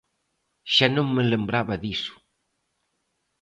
Xa non me lembraba diso!